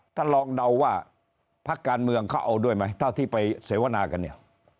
ท่านลองเดาว่าพักการเมืองเขาเอาด้วยไหมเท่าที่ไปเสวนากันเนี่ย